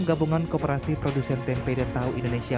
gabungan koperasi produksi tempe dan tahu indonesia